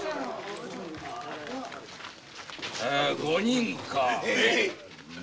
５人か。